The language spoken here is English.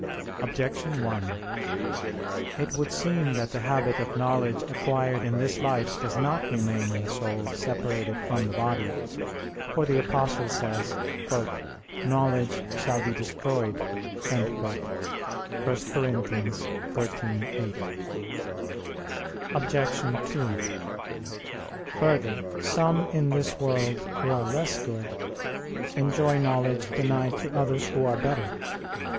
Objection 1: It would seem that the habit of knowledge acquired in this life does not remain in the soul separated from the body: for the Apostle says: "Knowledge shall be destroyed" (1 Cor. 13:8). Obj. 2: Further, some in this world who are less good enjoy knowledge denied to others who are better.